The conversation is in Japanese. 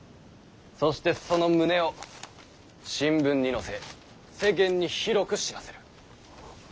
そしてその旨を新聞に載せ世間に広く報せる。